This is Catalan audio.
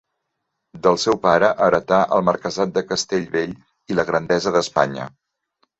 Del seu pare heretà el marquesat de Castellbell i la Grandesa d'Espanya.